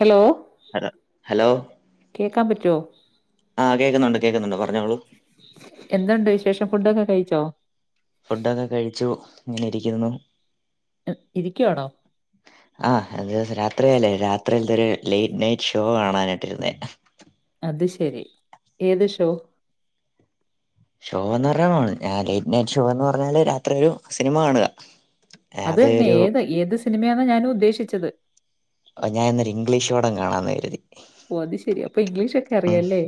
Hello hello hello കേക്കാൻ പറ്റോ? ആഹ് കേക്കുന്നുണ്ട് കേക്കുന്നുണ്ട് പറഞ്ഞോളൂ. എന്തുണ്ട് വിശേഷം ഫുഡൊക്കെ കഴിച്ചോ? ഫുഡൊക്കെ കഴിച്ചു ഇങ്ങനെ ഇരിക്കുന്നു. ഏഹ് ഇരിക്കുവാണോ? ആഹ് അതെ അതെ രാത്രിയല്ലേ രാത്രിയൽത്തൊരു ലേറ്റ് നൈറ്റ് ഷോ കാണാനായിട്ടിരുന്നേ. അത് ശെരി ഏത് ഷോ? ഷോ എന്ന് പറഞ്ഞാ [unintelligible] ഞാ ലേറ്റ് നൈറ്റ് ഷോ എന്ന് പറഞ്ഞാല് രാത്രി ഒരു സിനിമ കാണുക അത് തന്നെ ഏത് ഏത് സിനിമയാന്നാ ഞാനും ഉദ്ദേശിച്ചത്. ഓഹ് ഞാൻ ഇന്നൊരു ഇംഗ്ലീഷ് പടം കാണാന്ന് കരുതി ഓഹ് അത് ശെരി അപ്പ ഇംഗ്ലീഷൊക്കെ ഉം അറിയാല്ലേ?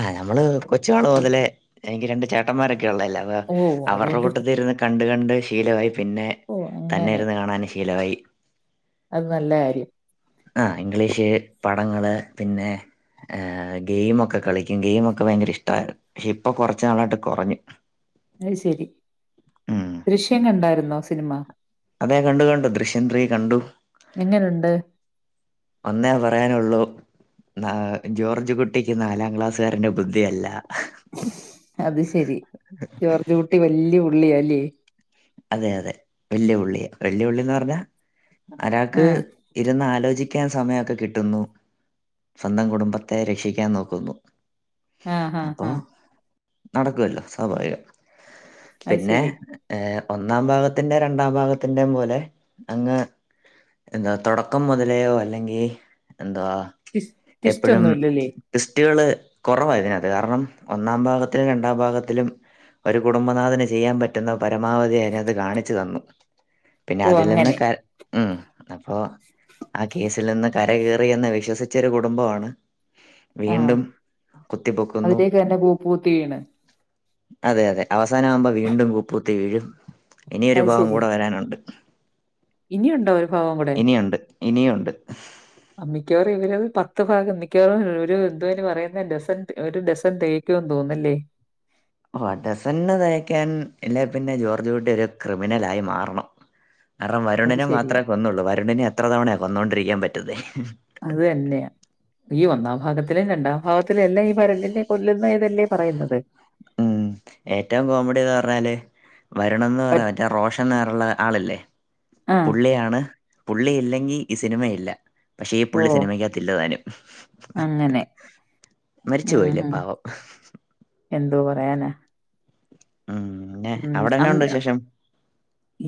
ആഹ് നമ്മള് കൊച്ചുനാള് മൊതലേ എനിക്ക് രണ്ട ചേട്ടന്മാരൊക്കെ ഉള്ളതല്ലേ, അപ്പൊ ഓ അവർടെ അതുകൊണ്ട് കൂട്ടത്തി ഇരുന്ന് കണ്ട കണ്ട് ശീലവായി പിന്നെ ഓ തന്നെ അങ്ങനെ ഇരുന്ന് കാണാന് ശീലവായി. അത് നല്ല കാര്യം ആഹ് ഇംഗ്ലീഷ് പടങ്ങള് പിന്നെ ഏഹ് ഗെയിമൊക്കെ കളിക്കും ഗെയിമൊക്കെ ഭയങ്കര ഇഷ്ടായി പക്ഷെ ഇപ്പൊ കൊറച്ച് നാളായിട്ട് കൊറഞ്ഞ് അയ് ശെരി ഉം ദൃശ്യം കണ്ടായിര്ന്നോ സിനിമ? അതെ കണ്ടു കണ്ടു ദൃശ്യം ത്രീ കണ്ടു. എങ്ങനുണ്ട് ഒന്നേ പറയാനൊള്ളൂ നാ ജോർജ് കുട്ടിക്ക് നാലാം ക്ലാസ്സുകാരന്റെ ബുദ്ധിയ. ല്ല അത് ശെരി ജോർജ് കുട്ടി വെല്യ പുള്ളിയാല്ലേ. അതെ യതെ വെല്ല്യ പുള്ളിയ വെല്ല്യ പുള്ളിന്ന് പർഞ്ഞാ ആ അരാക്ക് ഇരുന്നാലോചിക്കാൻ സമയയൊക്കെ കിട്ടുന്നു. സ്വന്തം കുടുംബത്തെ രക്ഷിക്കാൻ നോക്കുന്നു. ആ ആ അപ്പൊ ആ നടക്കുവല്ലോ സ്വാഭാവികം. അത് പിന്നെ ശരി ഏഹ് ഒന്നാം ഭാഗത്തിൻ്റെ രണ്ടാം ഭാഗത്തിൻ്റെം പോലെ അങ്ങ് എന്താ തൊടക്കം മുതലെയോ അല്ലെങ്കി എന്തുവാ ട്വിസ്- ട്വിസ്റ്റ് എപ്പഴും ഒന്നും ഇല്ലല്ലേ ട്വിസ്റ്റുകള് കൊറവായിതിനകത്ത് കാരണം ഒന്നാം ഭാഗത്തിലും രണ്ടാം ഭാഗത്തിലും ഒരു കുടുംബനാഥന് ചെയ്യാം പറ്റുന്ന പരമാവധി അയ്നാത്ത് കാണിച്ച് തന്നു. പിന്നെ ഓ അതിലന്ന് അങ്ങനെ ക ഉം അപ്പോ ആ കേസിൽ നിന്ന് കരകേറി എന്ന് വിശ്വസിച്ചെരു കുടുംബാണ്. ആ വീണ്ടും കുത്തിപൊക്കുന്നു. അതിലേക്ക് തന്നെ കൂപ്പൂത്തി വീണ് അതെ യതെ അവസാനാവുമ്പോ വീണ്ടും കുപ്പൂത്തി വീഴും ഇനിയൊരു ഭാഗം കൂടെ വരാനുണ്ട്. ഇനി യുണ്ടോ ഇനിയുണ്ട് ഇനിയുണ്ട് ഉം മ്മിക്കവാറും ഇവരത് പത്ത് ഭാഗം മിക്കവാറും ഒര് തെന്നെ പറയുന്നെ ഡസൻ ഒരു ഡസൻ തെയ് ക്കും തോന്നല്ലേ ഓഹ് ഡസൺന്ന് തയ്ക്കാൻ ഇല്ലെ പിന്നെ ജോർജൂട്ടിയൊരു ക്രിമിനലായി മാറണം. കാരണം അത് വരുണിനെ മാത്രേ ശരിയാ. കൊന്നൊള്ളൂ വരുണിനെ എത്ര തവണെ കൊന്നോണ്ടിരിക്കാൻ പറ്റുന്നെ. അതെന്നെ ഈ ഒന്നാം ഭാഗത്തിലും രണ്ടാം ഭാഗത്തിലും എല്ലാം ഈ വരുണിനെ കൊല്ലുന്ന യ്തല്ലേ പറയുന്നത്. ഉം ഏറ്റവും കോമഡി ന്ന് പർഞ്ഞാല് വരുണെന്ന് പ പറിണെ മറ്റേ റോഷൻ ആർള്ള ആളല്ലേ ആഹ്. പുള്ളിയാണ് പുള്ളിയില്ലെങ്കി ഈ സിനിമയില്ല പക്ഷേ ഈ പുള്ളി ഓഹ്! സിനിമയ്ക്കകത്തില്ലതാനും. അങ്ങനെ. മരിച്ചു ഉം, പോയില്ലേ ഉം. പാവം എന്തോ പറയാന ഉം പിന്നെ ഉം അവിടെന്നാ അം ഉണ്ട് വിശേഷം?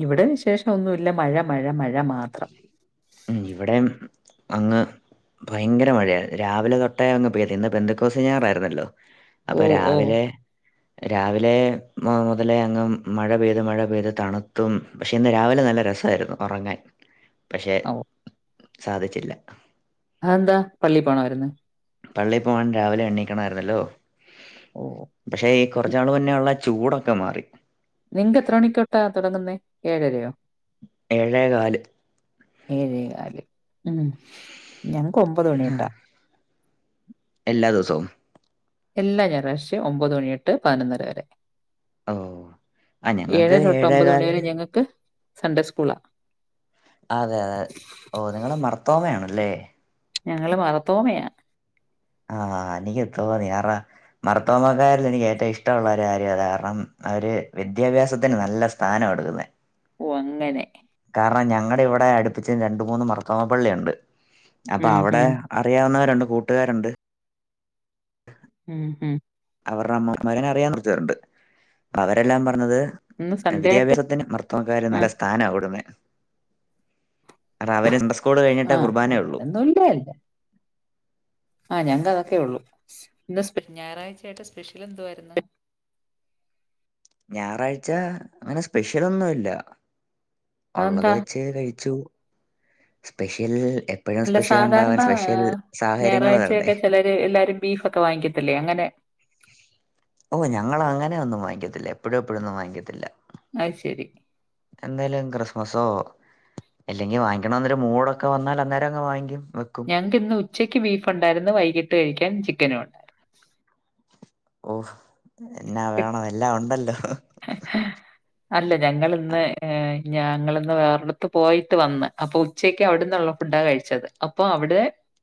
ഇവടെ വിശേഷൊന്നുല്ല മഴ മഴ മഴ മാത്രം. ഉം ഇവടെം അങ്ങ് ഭയങ്കര മഴയാ രാവിലെ തൊട്ടേ അങ്ങ് പെയ്ത് ഇന്ന് ബെന്ത്ക്കോസിനാറായിര്ന്നല്ലോ അപ്പൊ ഓഹ്! ഓഹ്! രാവിലെ രാവിലെ മുതലേ അങ്ങ് മഴ പെയ്ത് മഴ പെയ്ത് തണ്ത്തും പക്ഷേ ഇന്ന് രാവിലെ നല്ല രസായിരുന്നു ഒറങ്ങാൻ പക്ഷേ ഓഹ്! സാധിച്ചില്ല ആന്താ പള്ളി പോണായിര്ന്നോ? പള്ളി പോവാൻ രാവിലെ എണീക്കണായിരുന്നല്ലോ. ഓഹ് പക്ഷെ ഈ കൊറച്ച്നാള് മുന്നെയുള്ള ചൂടൊക്കെ മാറി. നിൻക്ക് എത്ര മണി തൊട്ടാ തൊടങ്ങുന്ന ഏഴരയോ? ഏഴേകാല് ഏഴേകല് ഉം ഞങ്ങക്ക് ഒമ്പത് മണിതൊട്ടാ. എല്ലാ ദിവസവും എല്ലാ ഞായറാഴ്ചയും ഒമ്പത് മണിയൊട്ട് പതിനൊന്നര വരെ ഓ ആ ഞങ്ങൾക്ക് ഏഴരൊട്ട് ഏഴേ ഒമ്പത് മണി വരെ കാലിന് ഞങ്ങക്ക് സൺഡേ സ്കൂളാ അതെ ഓഹ് നിങ്ങള് മർത്തോമയാണല്ലേ ഞങ്ങള് മർത്തോമയ ആഹ് എനിക്ക് തോന്നി കാരണം മർത്തോമാക്കാരിൽ എനിക്ക് ഏറ്റവും ഇഷ്ട്ടവുള്ള ഒര് കാര്യം അതാ കാരണം അവര് വിദ്യാഭ്യാസത്തിന് നല്ല സ് സ്ഥാന കൊട്ക്കുന്നേ ഓഹ് അങ്ങനെ കാരണം ഞങ്ങടെ ഇവിടെ അടുപ്പിച്ച് രണ്ട് മൂന്ന് മർത്തോമ പള്ളിയുണ്ട് അപ്പൊ ഉം അവ്ടെ ഉം അറിയാവുന്നവരുണ്ട് കൂട്ടുകാരുണ്ട് [inaudible] ഉം മ്ഹ് അവരുടെ അമ്മമാര് അങ്ങനെ അറിയാവുന്ന കൊറച്ചു പേരുണ്ട് അപ്പ അവരെല്ലാം പറഞ്ഞത് ഇന്ന് എ സൺഡേ ആയിട്ട് വിദ്യാഭ്യാസത്തിന് മർത്തോമാക്കാര് ആഹ് നല്ല സ്ഥാനാ കൊടുന്നേ അത് അവര് ഇന്റെർ സ്കോട് കഴിഞ്ഞിട്ടേ ആഹ് കുർബാനയുള്ളു [unintelligible] ആഹ് ഞങ്ങ അതക്കെ ഉള്ളൂ സ് ഇന്ന് സ്പെ ഞാറാഴ്ചയായിട്ട് സ്പെഷ്യൽ എന്തുവാരുന്നു. ഞാറാഴ്ച അങ്ങന സ്പെഷ്യലൊന്നുല്ല ഒള്ളത് അതെന്താ വെച്ച് കഴിച്ചു സ്പെഷ്യൽ എ എപ്പഴും അല്ല സ്പെഷ്യലുണ്ടാവാൻ സാധാരണ സ്പെഷ്യൽ സാഹര്യങ്ങള് വരണ്ടേ ഞായറാഴ്ചയൊക്കെ [unintelligible] എല്ലാരും ബീഫൊക്കെ വാങ്ങിക്കത്തില്ലേ അങ്ങനെ ഓഹ് ഞങ്ങളങ്ങനെ ഒന്നും വാങ്ങിക്കത്തില്ല എപ്പഴും എപ്പഴൊന്നും വാങ്ങിക്കത്തില്ല അയ് ശെരി എന്തേലും ക്രിസ്മസോ അല്ലെങ്കി വാങ്ങിക്കണോന്ന് ഒരു മൂടൊക്കെ വന്നാൽ അന്നേരം അങ്ങ് വാങ്ങിക്കും വെക്കും ഞങ്ങക്കിന്ന് ഉച്ചയ്ക്ക് ബീഫ് ഒണ്ടായിരുന്നു വൈകിട്ട് കഴിക്കാൻ ചിക്കനും ഒണ്ട് ഓഹ് എന്നാ വേണം എല്ലാം ഒണ്ടല്ലോ [unintelligible] അല്ല ഞങ്ങള്ന്ന് ഏഹ് ഞങ്ങളിന്ന് വേറൊരിടത്ത് പോയിട്ട് വന്ന് അപ്പൊ ഉച്ചെക്ക് അവിടെന്നൊള്ള ഫുഡാ കഴിച്ചത് അപ്പോ അവിടെ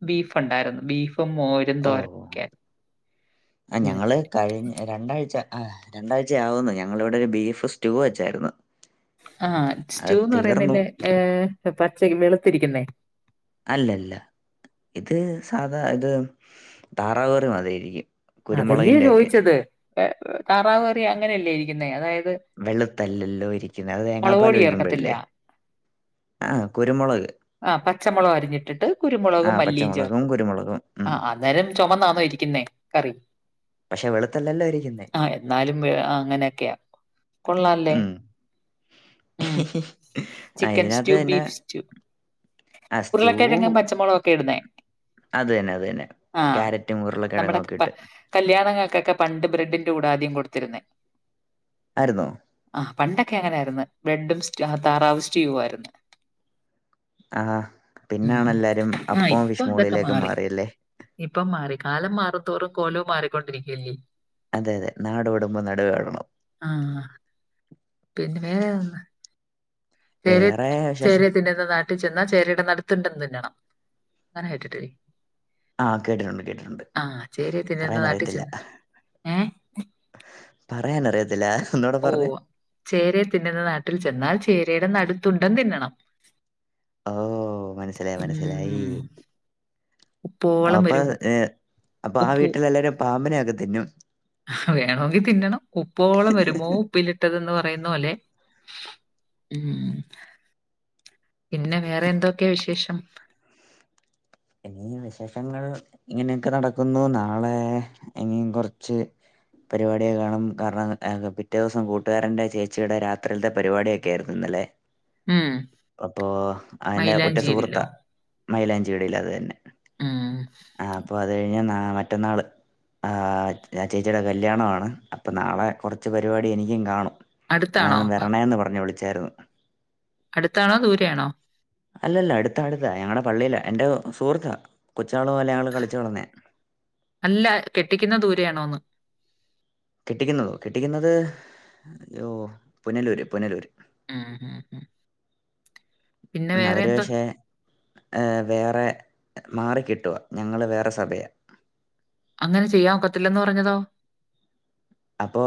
ബീഫൊണ്ടായിരുന്നു ബീഫും മോര് ഓഹ് ആഹ് ഞങ്ങള് കഴിഞ്ഞ രണ്ടാഴ്ച്ച ആഹ് രണ്ടാഴ്ച ആവുന്നു ഞങ്ങളിവിടെ ഒര് ബീഫ് സ്റ്റൂ വെച്ചാരുന്നു. ആഹ് സ്റ്റൂന്ന് പറയുന്ന്ല്ലേ ഏഹ് പച്ചക്ക് വെളുത്തിരിക്കുന്നേ? അല്ലല്ല ഇത് സാധാ ഇത് താറാവുകറി മാതിരി ഇരിക്കും. അതല്ലേ ചോയ്ച്ചത് ഏവ് താറാവ്ക്കറി അങ്ങനെയല്ലേ ഇരിക്കുന്നേ അതായത് വെളുത്തല്ലല്ലോ ഇരിക്കുന്നെ അത് തേങ്ങാ മുളക് പാല് പൊടി ചേർക്കത്തില്ല. ഒഴിക്കുമ്പഴല്ലേ ആഹ് കുരുമൊളക് ആഹ് പച്ചമുളക് അരിഞ്ഞിട്ടിട്ട് കുരുമുളകും മല്ലിയും പച്ചമുളകും ചേർക്കും കുരുമുളകും ഉം ആഹ് അ അന്നേരം ചൊമന്നാന്നോ ഇരിക്കുന്നേ കറി പക്ഷെ വെളുത്തല്ലല്ലോ ഇരിക്കുന്നേ ആഹ് എന്നാലും വെ അങ്ങനെയൊക്കെയ കൊള്ളാല്ലേ ഉം ഉം ആ ചിക്കെൻസ്റ്റൂ ഇതിനകത്ത് തന്നെ ബീഫ്സ്റ്റൂ ആ സ്റ്റൂ ഉര്ളക്കെഴങ്ങ് പച്ച മൊളകോക്കെ ഇടുന്നേ അത് തന്നെ അത് തന്നെ ക്യാരറ്റും ഉർള കെഴങ്ങുമൊക്കെ ഇട്ട് കല്യാണങ്ങക്കക്കെ പണ്ട് ബ്രെഡിന്റെ കൂടാ ആദ്യം കൊട്ത്തിരുന്നേ. ആര്ന്നോ ആഹ് പണ്ടൊക്കെ അങ്ങനെ ആര്ന്ന് ബ്രെഡും സ്റ്റ് താറാവ് സ്റ്റൂ ആരുന്നു. ആഹ് ഉം പിന്നാണ് എല്ലാരും ആഹ് അപ്പോം ഇപ്പൊ ഫിഷ് അതൊക്കെ മോളീലേക്കും മാറി മാറിയല്ലേ ഇപ്പം മാറി കാലം മാറും ത്തോറും കോലോം മാറിക്കൊണ്ടിരിക്കല്ലീ അതെ അതെ നാട് ഓടുമ്പോ നടുവേ ഓടണം ആഹ് പിൻവേ [unintelligible] ചേരേ വേറെ വിശേഷം ചേരേതിന്ന്ന്ന നാട്ടിൽചെന്നാ ചേരേടെ നടുത്തുണ്ടം തിന്നണം അങ്ങനെ കേട്ടില്ലേ ആഹ് കേട്ടിട്ടുണ്ട് കേട്ടിട്ടുണ്ട് ആഹ് ചേരേ തിന്ന്ന്ന പറയാനറിയത്തില്ല നട്ടിച്ചെന്ന് ഏഹ് പറയാനറിയത്തില്ല. ഒന്നൂടെ ഓ പറഞ്ഞേ ചേരെ തിന്ന്ന്ന നാട്ടിൽ ചെന്നാൽ ചേരയുടെ നടുത്തുണ്ടം തിന്നണം. ഓഹ് മനസിലായി മനസ്സിലായി ഉം ഉപ്പോളം അപ്പൊ വരും ഏഹ് അപ്പൊ ആ ഉപ്പ് വീട്ടിലെ എല്ലാരും പാമ്പിനൊക്കെ തിന്നും. വെനൺണൊങ്കിൽ തിന്നണം ഉപ്പോളം വരുമോ ഉപ്പിലിട്ടതെന്ന് പറയുന്ന പോലെ. ഉം പിന്നെ വേറെ എന്തൊക്കെയാ വിശേഷം. ഇനിയ് വിശേഷങ്ങൾ ഇങ്ങനെയൊക്കെ നടക്കുന്നു നാളെ ഇനിയും കൊറച്ച്. പരിപാടി കാണും കാരണം പിറ്റേ ദിവസം കൂട്ടുകാരന്റെ ചേച്ചിയുടെ രാത്രിയിലത്തെ പരിപാടിയൊക്കെ ആയിരുന്നു ഇന്നലെ ഉം അപ്പോ [unintelligible] ഉറ്റ സുഹൃത്താ മൈലാഞ്ചിയിലോ മൈലാഞ്ചി ഇടല് അത് തന്നെ. ഉം ആഹ് അപ്പൊ അത് കഴിഞ്ഞാ ന മറ്റന്നാള്. ആഹ് ആ ചേച്ചിയുടെ കല്യാണാണ് അപ്പൊ നാളെ കൊറച്ച് പരിപാടി എനിക്കും കാണും. അടുത്താണോ കാരണം അ- വരണെന്ന് പറഞ്ഞ് വിളിച്ചായിരുന്നു. അടുത്താണോ ദൂരെയാണോ. അല്ല അടുത്ത അടുത്താ ഞങ്ങളുടെ പള്ളില എന്റെ സുഹൃത്താ കൊച്ചനാൾ മുതലേ കളിച്ച് വളന്നെയാ അല്ല കെട്ടിക്കുന്ന ദൂരയാണോന്ന്. കെട്ടിക്കുന്നതോ കെട്ടിക്കുന്നത് ഓഹ് പുനലൂര് പുനലൂര്. ഉം ഉം ഉം. പിന്നെ ന്ന വേറെ അവര് എന്തോ പക്ഷെ ഏഹ് വേറെ മാറിക്കെട്ടുവ ഞങ്ങാ വേറെ സഭയാ. അങ്ങനെ ചെയ്യാൻ ഒക്കത്തില്ലന്ന് പറഞ്ഞതോ. അപ്പോ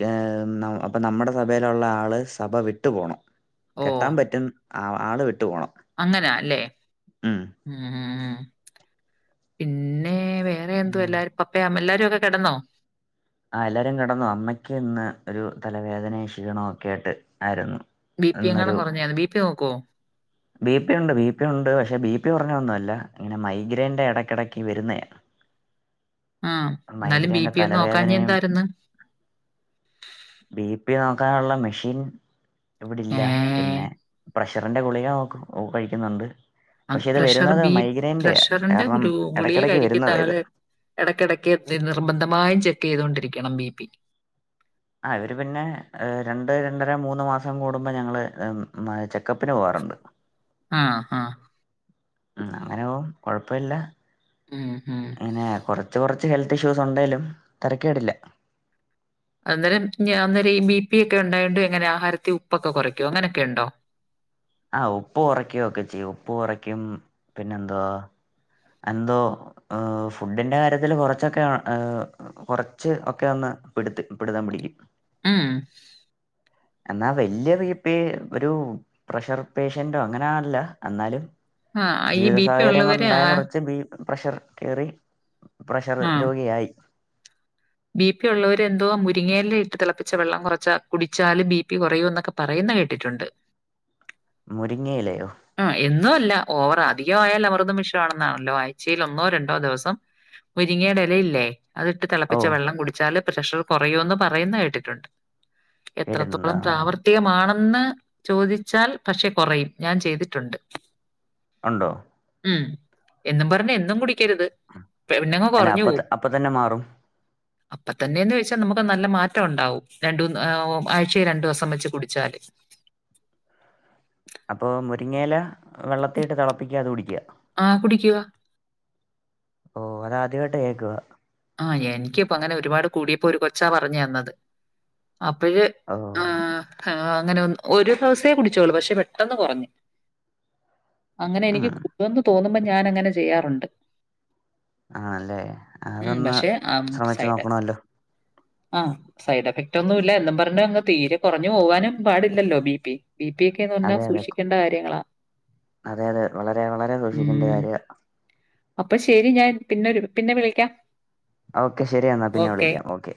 കെ ന്ന അപ്പൊ നമ്മുടെ സഭയിലുള്ള ആള് സഭ വിട്ടു പോണം. ഓ കെട്ടാൻ പറ്റും ആ ആള് വിട്ടു പോണം. അങ്ങനാ അല്ലേ ഉം പിന്നെ വേ വേ ഉം. എന്തുവാ എല്ലാരും പപ്പയും എല്ലാരും ഒക്കെ കെടന്നോ. ആഹ് എല്ലാരും കിടന്നു അമ്മയ്ക്ക് ഇന്ന് ഒരു തലവേദനയും ക്ഷീണ ഒക്കെ ആയിട്ട് ആയിരുന്നു. ബി പി ഇന്നൊരു എങ്ങാനും കുറഞ്ഞായാണോ ബി പി നോക്കോ. ബി പി ഉണ്ട് ബി പി ഉണ്ട് പക്ഷെ ബി പി കുറഞ്ഞൊന്നുല്ല ഇങ്ങനെ മൈഗ്രൈന്റെ ഇടയ്ക്കിടയ്ക്ക് വരുന്നയാ ആഹ് എന്നാലും ബി മൈഗ്രൈൻ്റെ പി ഒന്ന് നോക്കാഞ്ഞെ തലവേദനയും എന്തായിര്ന്ന്. ബി പി നോക്കാനുള്ള മെഷീൻ. ഇവിടല്ല ഏ പിന്നെ പ്രഷറിന്റെ ഗുളിക നോ കഴിക്കുന്നുണ്ട്. പക്ഷെ ഇത് പ്രഷർ വരുന്നത് ബി മൈഗ്രൈൻ്റെയാ പ്രഷറിന്റെ കാരണം ഗു ഗുളിയെ ഇടയ്ക്കിടയ്ക്ക് വരുന്നതാ കഴിക്കുന്ന ഇത് ആള് ഇടയ്ക്കിടയ്ക്ക് നിർബന്ധമായും ചെക്ക് ചെയ്തുകൊണ്ടിരിക്കണം ബി പി ആഹ് ഇവര് പിന്നെ രണ്ട് രണ്ടര മൂന്ന് മാസം കൂടുമ്പോൾ ഞങ്ങൾ ചെക്കപ്പിന് പോകാറുണ്ട് ആഹ് ആഹ് ഉം അങ്ങനെ പോം കൊഴപ്പില്ല ഉം ഉം ഇങ്ങനെ കൊറ കുച്ച് കുറച്ച് ഹെൽത്ത് ഇഷ്യൂസ് ഉണ്ടേലും തരകേടില്ല അന്നേരം ഞാ അന്നേരം ഈ ബി പി ഒക്കെ ഉണ്ടായൊണ്ട് എങ്ങനെയാ ആഹാരത്തിൽ ഉപ്പൊക്കെ കുറയ്ക്കും അങ്ങനെയൊക്കെ ഉണ്ടോ ആഹ് ഉപ്പ് കൊറക്കെ ഒക്കെ ചെയ്യും ഉപ്പ് കൊറക്കും പിന്നെ എന്തുവാ എന്തോ ഫുഡിന്റെ കാര്യത്തില് കുറച്ചൊക്കെ ഏഹ് കൊറച്ച് ഒക്കെ ഒന്ന് പിടുത്ത് പിടുത്തം പിടിക്കും ഉം എന്നാ വല്ല്യ ബി പി ഒരു പ്രഷർ പേഷ്യന്റോ അങ്ങനെ ആല്ല എന്നാലും ആഹ് ഈ ജീവിത ബി പി സാഹചര്യം ഉള്ളവര് ഉണ്ടായ ആഹ് കുറച്ച് ബി പ്രഷർ കേറി പ്രഷർ ആഹ് രോഗിയായി ബി പി ഉള്ളവരെ എന്തോ മുരിങ്ങേയില ഇട്ട് തിളപ്പിച്ച വെള്ളം കൊറച്ച കുടിച്ചാല് ബി പി കുറയൂ എന്നൊക്കെ പറയുന്ന കേട്ടിട്ടുണ്ട് മുരിങ്ങയിലയോ ആഹ് എന്നു അല്ല. ഓവറാ അധികം ആയാൽ അമൃതം വിഷവാണെന്നാണല്ലോ ആഴ്ചയിൽ ഒന്നോ രണ്ടോ ദിവസം മുരിങ്ങിയയുടെ എല ഇല്ലെ അത് ഇട്ട് തള ഓ പ്പിച്ച വെള്ളം കുടിച്ചാല് പ്രഷർ കൊറയോന്ന് പറയുന്ന കേട്ടിട്ടുണ്ട്. കേട്ടിട്ടുണ്ടോ എത്രത്തോളം പ്രാവർ ആ തികമാണെന്ന് ചോദിച്ചാൽ പക്ഷെ കൊറയും. ഞാൻ ചെയ്തിട്ടുണ്ട് അണ്ടോ ഉം എന്നും പറഞ് എന്നും കുടിക്കരുത് പിന്നങ്ങ് അല്ല കുറഞ്ഞു അപ്പത പോവും. അപ്പ തന്നെ മാറും അപ്പ തന്നേന്നോയ്ച്ചാ നമുക്ക് നല്ല മാറ്റോ ഇണ്ടാവും. രണ്ടൂ ആയ്ചെ രണ്ടോസം വെച്ച് കുടിച്ചാല് അപ്പൊ മുരിങ്ങേല വെള്ളത്തിട്ട് തെളപ്പിക്കാതെ കുടിക്ക്യ ആഹ് കുടിക്കുവ ഓ അതാത്യായ്ട്ട് കേക്ക്വ ആഹ് എൻക്കിപ്പോ അങ്ങനെ ഒരുപാട് കൂടിയപ്പോരു കൊച്ചാ പറഞ്ഞെന്നത് അപ്പയ് ആഹ് ആഹ് അങ്ങനെ ഒരു ദെവസേ കുടിച്ചോളൂ. പഷെ പെട്ടെന്ന് കൊറഞ് അങ്ങനെ എനിക്ക് ഉം. തോന്നുമ്പോ ഞാനങ്ങനെ ചെയ്യാറുണ്ട് ആല്ലേ. ഉം അതൊന്ന് പക്ഷെ ആം ശ്രമിച്ചു സൈഡ് നോക്കണല്ലോ ആഹ് സൈഡഫക്റ്റോന്നുല്ല എന്നും പർഞ് അങ്ങ് തീരെ കൊർഞ്ഞു പോകാനും പാടില്ലല്ലോ ബി പി ബിപി ക്കെന്ന് പറഞ്ഞാ അതെ അതെ സൂഷിക്കേണ്ട കാര്യങ്ങളാ അതെ അതെ വളരെ വളരെ സൂഷിക്കെണ്ട ഉം കാര്യ അപ്പൊ ശരി ഞാൻ പിന്നെരു പിന്നെ വിളിക്യ ഓക്കെ ശരിയെന്നാ പിന്നെ വിളിക്കാം ഓക്കെ